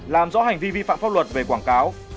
làm rõ hành vi vi phạm pháp luật về quảng cáo